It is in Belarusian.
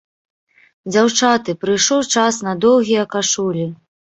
Дзяўчаты, прыйшоў час на доўгія кашулі!